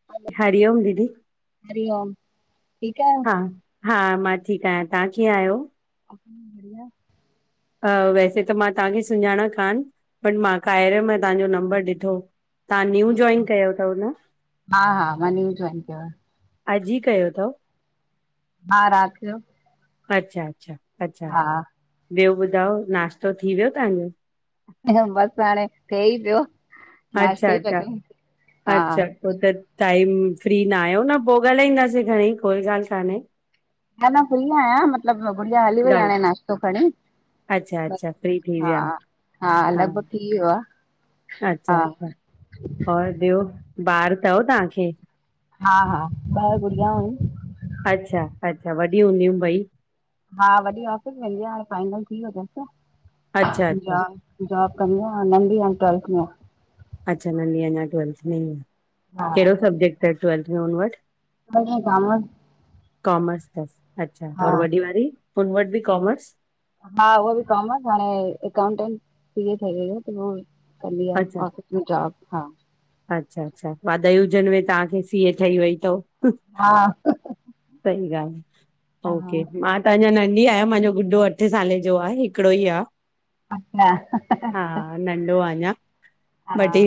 [inaudible] हरिओम दीदी हरिओम ठीक आयो? हा हा मां ठीक आहियां, तहां कीअं आहियो? असीं बढ़िया। अ वैसे त मां तहांखे सुञांणां कान बट मां कार्या मां तहांजो नंबर ॾिठो तहां न्यू जॉइन कयो तव न? हा हा मां न्यू जॉइन कयो आ, अॼु ई कयो तव? हा रात जो। अच्छा, अच्छा अच्छा हा ॿियो ॿुधायो नाश्तो थी वियो तहांजो? बस हाणे थिये ई पियो नाश्तो ई पिया कयंउं हा हो त टाइम फ्री नाहियो न पो ॻाल्हाईंदासीं खणीं कोई ॻाल्हि कान्हे। न न फ्री आहियां मतिलॿ गुड़िया हली वई हाणे ॻाल्हि नाश्तो खणीं अच्छा ब् अच्छा फ्री थी हा विया हा लॻभॻ थी वियो आ। अच्छा अच्छा और ॿियो ॿार तव तहांखे? हा हा ॿ गुड़ियाउ इनि अच्छा अच्छा वॾी हूंदियूं ॿई? हा वॾी ऑफिस वेंदी आ हांणे फाइनल थी वियो तस अच्छा अच्छा जाब जॉब कंदी आ, अंउ नंढी हाणे ट्वेल्थ में आ। अच्छा नंढी अंञां ट्वेल्थ में ई आ, हा कहिड़ो सब्जेक्ट तस ट्वेल्थ में हुन वटि? ट्वेल्थ में कामर्स। कॉमर्स तस अच्छा हा और वॾी वारी हुन वटि बि कॉमर्स? हा उहा बि काॅमर्स हाणे अकाउटेंट सी ए ठही वई आ त हो कंदी आ आफिस जाब हा। अच्छा-अच्छा वाधायूं हुजनव तव्हांखे सीए ठही वई तव हा। सही ॻाल्ह आ ओके, हा मां त अंञां नंढी आहियां मांजो गुॾो अ अठे साले जो आहे हिकड़ो ई आ। अच्छा। हा नंढो आ अंञां, हा ॿड्ड हे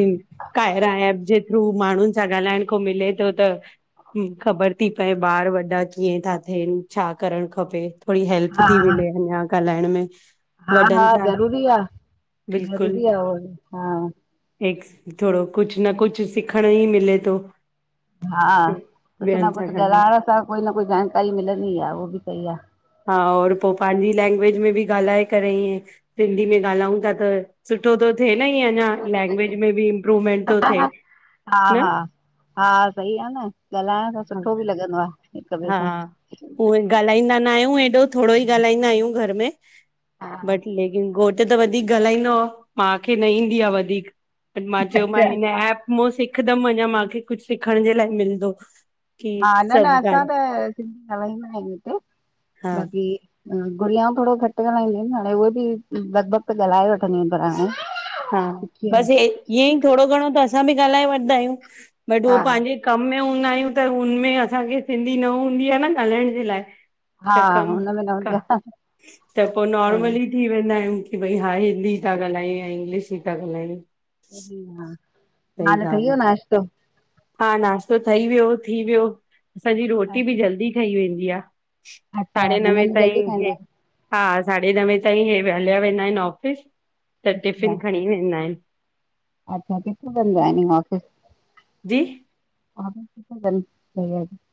कायरा एप जे थ्रू माण्ंहुनि सां ॻाल्हाइण को मिले तो त हुं ख़बर ती पए ॿार व ॾा कीअं था थियेन, छा करण खपे थोड़ी हेल्प हा ती मिले अंञां ॻाल्हाइण में हा वॾनि हा सां ज़रूरी आ ज़रूरी आ उ हा एक्स थोड़ो कुछ न कुछ सिखणु ई मिले तो। हा कुछ न कुछ गॾु ॻाल्हाइण सां कोई न कोई जानकारी मिलंदी आ उहो बि सही आ। हा और पो पांजी लैंग्वेज में बि ॻाल्हाए करे ईअ सिंधी में ॻाल्हाउं ता त सुठो तो थे न ईएंं अंञां सुठो लॻे। लैंग्वेज में बि इमप्रूवमेंट तो थे। हा हा हा सही आ न ॻाल्हाइण सां सुठो बि लॻंदो आ। हा उहोइ ॻाल्हाईंदा न आहियूं एॾो, थोड़ो ई ॻाल्हाईंदा आहियूं घर में हा बट लेकिन घोटु त वधीक ॻाल्हाईंदो आ मांखे न ईंदी आ वधीक बट मां चयो मा अच्छा हिन एप मुं सिखदम अंञां माखे कुछ सिखण जे लाए मिलदो की सभु गाल् अ सिंधी ॻाल्हाइंदा आयूं हिते, हा बाक़ी गुड़ियाऊं थोड़ो घट ॻाल्हाईंदियूं आहिन हाणे उहे बि लॻभॻि त ॻाल्हाए वठ हा बस ए ईअं ई थोरो घणो त असां बि ॻाल्हाए वठदा आयूं। बट उह पांजे कम में हूंदा आयूं त हुनमें असांखे सिंधी न हूंदी आ न ॻाल्हाइण जे लाए। हा त कम हुनमें न हूंदी क त पो आहे नॉर्मली थी वेंदा आयूं की भई हा हिंदी ता ॻाल्हायूं या इंग्लिश ई था ॻाल्हायूं। सही हाल ठइ ॻाल्हि आहे वियो नाश्तो। हा नाास्तो ठइ वियो, थी वियो, असांजी रोटी बि जल्दी ठई वेंदी आ। अच्छा साढे नवे मंझंदि जो जल्दी ताईं हे खाईंदा आहिनि हा साढे नवे ताईं हे हलिया वेंदा आहिन ऑफ़िस त टिफ़िन अच्छा खणी वेंदा आहिन। अच्छा, किथे कंदा इन ऑफिस? जी, [unintelligible]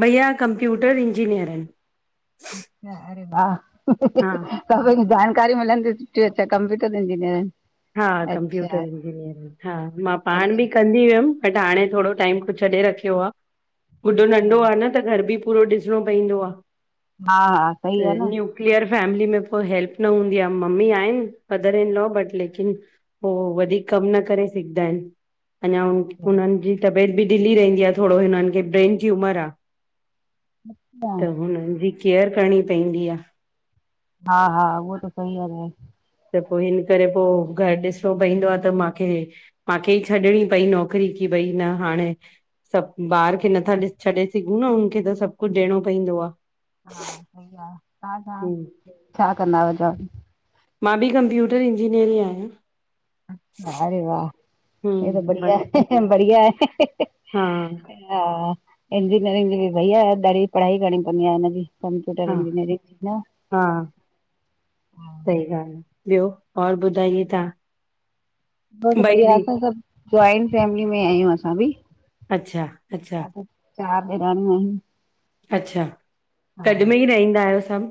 भैया कंप्यूटर इंजीनियर आहिन। अच्छा, अरे वाह! हा सभई जानकारी मिलंदी सुठी अचा कंप्यूटरं इंजीनियर इन। हा कंप्यूटर इंजीनियरिंग हा मां पाण बढ़िया बि कंद थी वियम, बट हाणे थोडो टाइम खों छॾे रखयो आ, गुड्डो नंढो आ न। त घर बि पूरो ॾिसणो पईदो आ हा हा त सही आहे न्यू न न्यूक्लियर फैमिली में पो हेल्प न हूंदी आ मम्मी आहिन मदर इन लॉ बट लेक किन पो वधीक कम न करे सघदा अहिन अञा अच्छा हुनन जी त ट बि ढिलली रहंदी आ थोरो हिनन खे ब्रेन ट्यूमर आ। त हुनन जी केयर करणी पईंदी आ। हा हा उहो त सही आहे भे त पो हिन करे पो घर ॾिसणो पईंदो आ त माखे मांखे ई छॾिणी पई नौकिरी की भई न हाणे सभ ॿार खे नथा छॾे डि सघूं न हुनखे त सभ कुझ ॾियणो पईंदो आ। हा सही आ, तां छा हूं छा कंदा आयो जॉब? मां बि कंप्यूटर इंजीनियर ई आयां। अरे वाह हे त हूं बढ़िया बस ए बढ़िया ए। हा, हा, इंजीनियरिंग जी बि भैया अ ॾाढी पढ़ाई करिणी पवंदी आ हिनजी। कंप्यूटर हा इंजिनीयरींग, न। हा, सही ॻाल, ॿियो और ॿुधाई तहां। ॿियो सभ बढ़िया असां सभ जॉइंट फैमिली में आयूं असां बि अच्छा अच्छा। असां चार डेरानी आयूं। अच्छा, गॾ में ई रहींदा आयो सभ?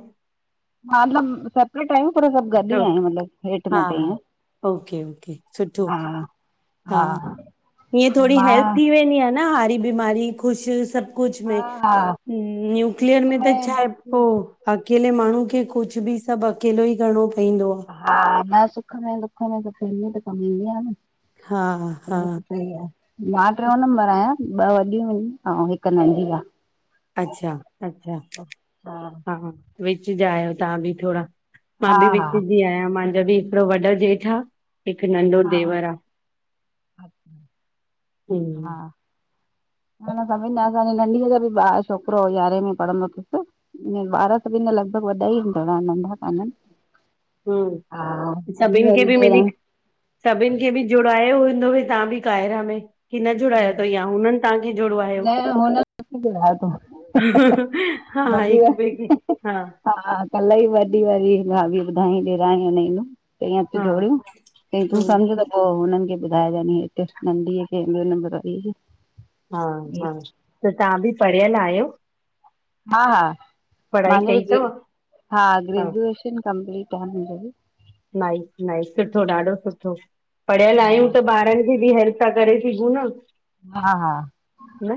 हा सभ सेपरेट आयूं पर सभ गॾ ही आहे, मतलब हेठ हा मथे हा ओके ओके सुठो हा। हा, हीअं थोडी हेल्प मां थी वेंदी आ न हारी बीमारी ख़ुश सभ कुझ हा में हा न्यूक्लियर सुखे में त छा दुख पो हा अकेले माण्हू खे कुझ बि सभ अकेलो ई करणो पइंदो आ। हा, न सुख में, दुख में त फैमिली त कम ईदी आ न। हा हा उहो त सही आ। मां ट्रेयों नंबर आहयां, ॿ वॾियूं आहिन ऐं हिक नंढी आ। अच्छा अच्छा, अच्छा हा विच जा आहयो तहां बि थोॾा। मां हा बि विच हा जी आहयां, मांजो बि हिकड़ो वॾो जेठ आ, हिक नंढो देवर आ। अचछा! हम्म हा न न सभिन खां असांजी नंढीअ जो बि बार छोकिरो यारहें में पढ़ंदो थस। बार सभिन जा लॻभॻ वढा ई आहिन पाण, नंढा कानन। हम्म, सभिन खे वारी बि ॾेर मिली। सभिन खे बि जुड़ायो हूंदो तहां बि काइरा में? हिनन जोड़ाया अथव या हुननि तहां खे जोड़वायो। न हुन थोड़ी जोड़ायो थंउ। हा, हिक ॿे खे, हा। हा कल्ह ई वॾी वारी भाभी ॿुधाई ॾेराणी हुनइ नुंह। ईय ति हा जोड़ियूं, ईय तूं हम्म समझ त पो हुननि खे ॿुधाएजान हिते नंढीअ खे ॿियो नंबर वरीय खे। त ताहां बि पढ़ियल आहियो? हा, हा पढ़ाई मांजो बि कई ग्रे अथव हा ग्रेजुएशन कंप्लीट आ मुंहिंजो बि। नाइ नाइ, सुठो ॾाढो सुठो, पढ़ियल आहियूं त हा ॿारनि खे बि हेल्प था करे सघूं न। हा हा। न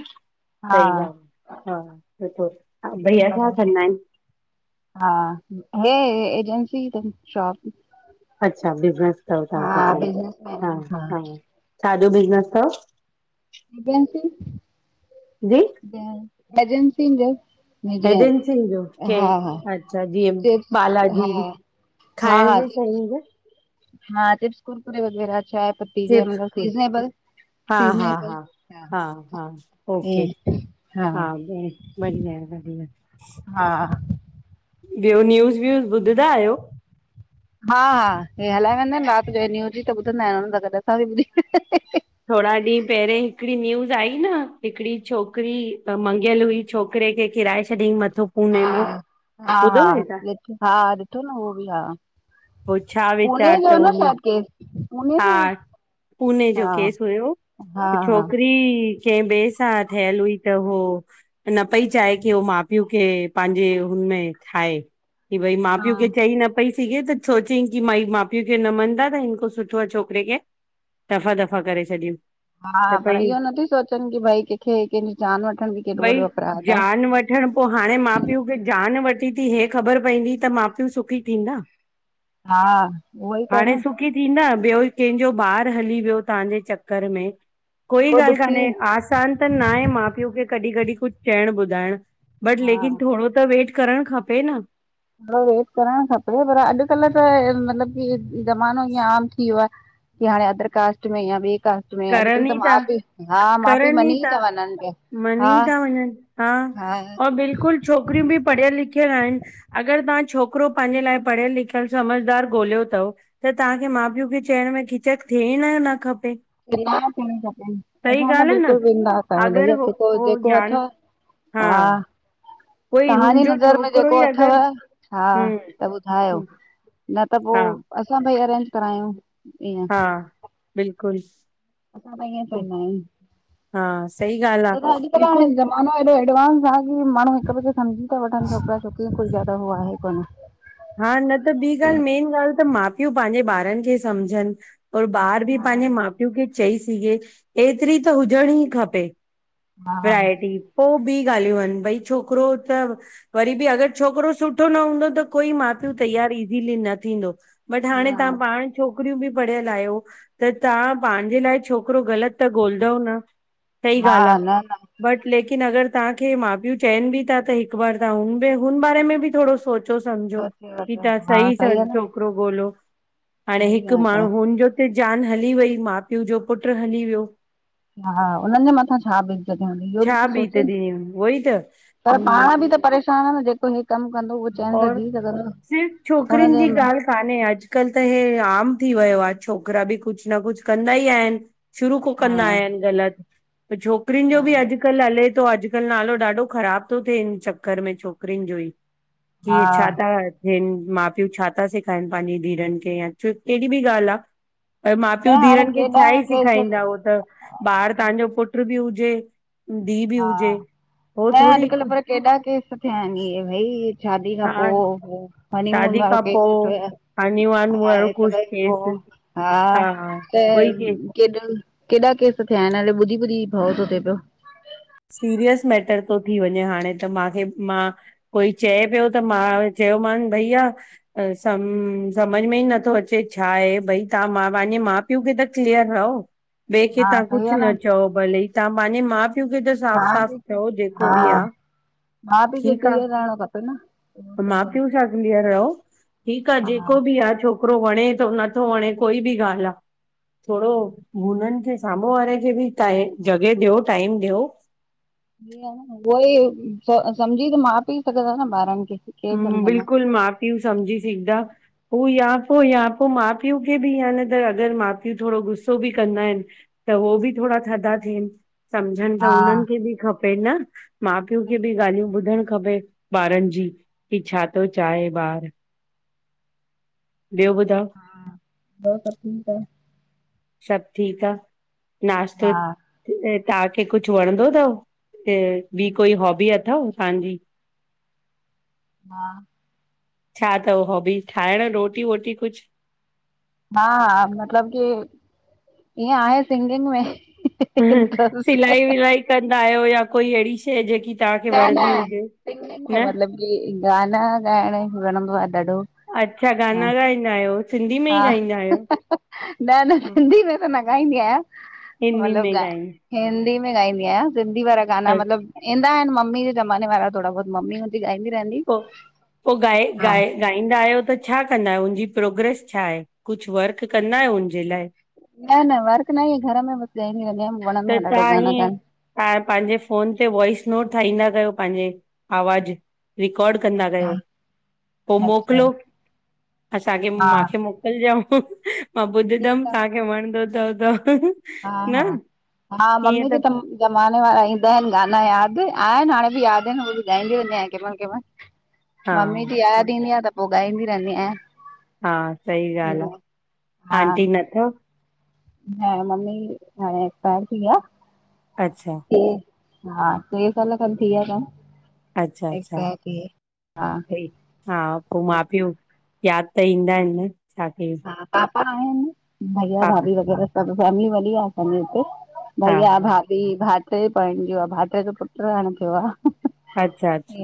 हा सही ॻाल आ, हा भईया पर छा कंदा आहिन? हा, हे एजेंसी थन, शॉप। अच्छा बिज़नेस तव हा तहांखे बि, बिजनेस मैन हा हा छाजो बिज़नेस थव? एजेंसी जी सि एजेंसी जो। [unintelligible] एजेंसी जो, हा केड़ी, हा अच्छा जीअं चिप्स बालाजी। हा हा खाइण हा जी शयुन जो हा चिप्स, कुरकुरे वगैरह चांय पत्ती जिंए चिप्स मतलब सीज़नेबल। हा हा हा, हा हा ओके, हा बढ़िया आए, बढ़िया आए। हा ॿियो न्यूज़ व्यूज़ ॿुधंदा आहियो? हा हा हे हलाए वियंदा आहिन रात जो न्यूज इ त ॿुधंदा आहिन, हुन सां गॾु असां बि ॿुधी थोड़ा र्ॾींहं पहिरींअ हिकड़ी न्यूज़ आई न हिकिड़ी छोकरी मंगियल हुई छोकिरे खे किराए छॾियईं मथों। हा हा, हा हा ॾिठो न उहो बि हा। पो छा पूने विचार जो तव उन? [unintelligible] हा, पूने जो हा केस हुयो हा त हा छोकिरी कैं ॿे सां थयल हुई त हो न पई चाहे कि हो माउ पीउ खे पंहिंजे हुनमें ठाहे। कि भई माउ हा पीउ खे चई न पई सघे त सोचई कि माई माउ पीउ न मञंदा त हिन खो सु सुठो आ छोकिरे खे रफ़ा दफ़ा करे छॾियूं। हा त पर भई इहो नथी सोचनि कि भई कंहिंखे कंहिंजी जान वठण बि केॾो वॾो अपराध आ। खेर पोइ हाणे माउ पीउ खे जान वठी थी, हे ख़बर पवंदी त मा पीउ सुखी थींदा? हा उहो ई त न। थी न ॿियो इ कंहिंजो ॿारु हली वियो तव्हांजे चक्कर में। कोई उहो ॻाल्हि दुखी कान्हे आसान त न आहे माउ पीउ खे कॾहिं कॾहिं कुझु चइणु ॿुधाइणु। बट हा लेकिन थोणो त वेट करण खपे न। हा उहे करण खपे पर अॼुकल्ह त ई मतलबु की ज़मानो ईअ आम थी वियो आहे की हाणे अदर कास्ट में या ॿिए कास्ट में अॼुकल्ह करनि त ई था माउ पीउ हा माउ पीउ मञी ई था वञनि प्या। मनी था वञनि हा और बिल्कुलु छोकिरियूं बि पढ़ियल लिखियल आहिनि। अगर तव्हां छोकरो पंहिंजे लाइ पढ़ियल लिखियल समझदार ॻोल्हियो अथव त तव्हांखे माउ पीउ खे चइण में झिझक थियण न खपे। बिंदास थियण खपेन सही असां त ॻाल्हि आहे न बिल्कुलु बिंदास आहियूं अगरि भैया हो जेको हो जेको यान अथव हा कोई तव्हांजी हुनजो नज़र में छोकिरो जेको ई अथव अगरि हा हम्म त ॿुधायो। हम्म न त हा पोइ असां भई अरेंज करायूं। ईअं हा बिल्कुलु। असां त ईअ चईंदा आहियूंल हा सही ॻाल्हि छो त आहे अंॼकल हाणे बिल्कुलु जमा माना हेॾो एडवांस आहे की माण्हू हिक ॿिए खे समझी था वठनि छोकिरा छोकरियू कोई ज्यादा उह आहे कोन। हा न त ॿी ॻाल्हि मेन ॻाल्हि त माउ पीउ पंहिंजे ॿारनि खे समझनि और ॿार बि पंहिंजे माउ पीउ खे चई सघे एतिरी त हुजण ई खपे हा वैरायटी पो ॿी ॻाल्हियूं आहिनि भई छोकिरो त व वरी बि अगरि छोकिरो सुठो न हूंदो त कोई माउ पिउ तैयार ईजीली न थींदो बट हाणे न तव्हां पाण कु छोकरियूं बि पढ़ियल आहियो त तव्हां पंहिंजे लाइ छोकिरो ग़लति त ॻोलंदव न, सही हा ॻाल्हि आ। न न बट लेकिन अगरि तव्हांखे माउ पीउ चवनि बि था त हिकु बार तव्हां हुंदे हुन बारे में बि थोड़ो सोच तो समझो सोचे की वठो तव्हां हा सही सां आहे न छोकिरो ॻोल्यो हाणे सही हिकु ॻाल्हि माण्हू हुनिजो ते जान हली वई माउ पीउ जो पुट्र हली वियो हा आ हुन्हनि जे मथां छा बीतजंदी हूंदि इहो छा बि सोचे बीतंदी उहो ई त पर हम्म, पाण बि त परेशान आ न जेको हे कमु कंदो उहो चैन सां और जी सघंदो न सिर्फ़ छोकिरिन हुनजे जी ॻाल्हि कान्हे अॼकल्ह त हे आम थी वियो आहे छोकिरा बि कुछ न कुछ कंदा ई आहिनि शुरू को हा कंदा आहिनि ग़लति त छोकिरिन जो बि अॼु कल्ह हले थो अॼुकल्ह नालो ॾाढो ख़राब थो थिए हिन चक्कर में छोकिरिन जो ई। हा केर छा था ॾियन माउ पीउ छा था सेखारनि पंहिंजी धीरनि खे या कहिड़ी बि ॻाल्हि आ। पर माउ पीउ न हाणे धीरनि खे केॾा छा ई केस सेखारींदा उ न त ॿार तव्हांजो पुट्र बि हुजे धी बि हुजे हो थोरी अॼुकल्ह पर केॾा केस थिया आहिनि इहे बई शादी खां हा पोइ हनीमून शादी वारो खां केस पो ॾिठोया हानी वान वारो आहे ख़ुशि तडहेप पो थिएसि हा त कोई के केतरन केॾा केस थिया आहिनि हाणे ॿुधी ॿुधी भवु थो थिए पियो सीरियस मैटर तो थी वञे हाणे। त माखे मां कोई चए पियो त मां चयोमान भईया अ सम समझ में ई नथो अचे छाहे बई तव्हां मां पंहिंजे माउ पिउ खे त क्लिअर रहो ॿे खे हा तव्हां सही कुझु आ न चओ भले तव्हां पंहिंजे माउ पिउ खे त हा साफ़ साफ़ चओ जेको हा बि आ माउ पीउ खे ठीक आ, क्लीअर रहणो खपे न उहो माउ सही पीउ सां क्लीअर रहो। ठीकु आ जेको बि आ छोकिरो वणे थो नथो वणे कोई बि ॻाल्हि आ थोडो हुननि खे साम्हूं वारे खे बि त जॻहि ॾियो टाइम ॾियो। उहो ई समझी त, मां पीउ सघंदा न ॿारनि खे। केरु हम्म सम्झंदा। बिल्कुल माउ पीउ समझी सिघदा। हू या पोइ या पोइ माउ पीउ खे बि या न त अगरि माउ पीउ थोरो गुस्सो बि कंदा आहिनि त हो बि थोड़ा थधा थियनि। सम्झनि त हा उन्हनि खे बि खपे न? माउ पीउ हा खे बि ॻाल्हियूं ॿुधण खपे ॿारनि जी की छा थो चाहे ॿारु। ॿियो ॿुधायो? हा ॿियो सब ठीक आहे। सभु ठीकु आ, नाश्तो हा तव्हांखे कुछ वणंदो अथव? अ ॿी कोई हॉबी अथव तव्हांजी? हा छा तव हॉबी ठाहिण रोटी वोटी कुछ? हा हा मतलब की ईअं आहे सिंगिंग में। इंट्रस्ट। सिलाई विलाई कंदा आहियो या कोई अहिड़ी शइ जेकी तव्हांखे न वणंदी न हुजे सिंगिंग में, न मतलब कि गाना गाइण वणंदो आ ॾाढो। अच्छा हा गाना ॻाईंदा आहियो, सिंधी में ई हा ॻाईंदा आहियो? न न हा, सिंधी में त न गाईंदी आहियां हिंदी में मतलब ॻा ॻाईंदा हिंदी में गाईंदी आहियां। सिंधी वारा गाना अच्छा, मतिलबु ईंदा आहिनि मम्मी जे ज़माने वारा थोड़ा बहुत मम्मी ॻाईंदी रहंदी। पो पो गाए हा गाए गाईंदा आहियो त छा कंदा आहियो उनजी प्रोग्रेस छा आहे? कुछ वर्क कंदा आहियो हुनजे लाइ? न न वर्क न घर में बस गाईंदी रहंदी आहियां। त वणंदो आ ॾाढो तंहा गाना हिअ ॻाइण। हाँ पाहिंजे फ़ोन ते वॉइस नोट ठाहींदा कयो पाहिंजे आवाज़ रिकॉर्ड कंदा हा कयो। पो अच्छा मोकल्यो, असांखे हा मांखे मो कुलजो मां ॿुधंदमि ठीकु तव्हांखे वणंदो तव त। हा न हा हा ईअं मम्मी खे त तंम ज़माने वारा ईंदा आहिनि गाना याद आहिंन हाणे बि याद आहिंन, उहे बि ॻाईंदी रंहदी आहियां के मल के मल। [inaudible] मम्मी जी याद ईंदी आ त पो ॻाईंदी रहंदी आया। हा सही ॻाल्हि आ। हा आंटी न थव? न मम्मी हाणे एक्सपायर थी वया। अच्छा ट्रे ट्रे साल खन थी विया तन अच्छा अच्छा एक्सपायर थिया हाँ सही हा पो माउ पीउ यादि त ईंदा आहिनि न छा कयूं। हाँ पापा त आहिनि। भैया, पापा भाभी वग़ैरह सभ फैमिली वॾी आ असांजे हूते। हा भईया हा भाभी भाट्रो पैणजो आ, भाट्रे खे पुट्र हाणे थ्यो आ। अच्छा अछ